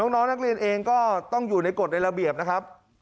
น้องนักเรียนเองก็ต้องอยู่ในกฎในระเบียบนะครับ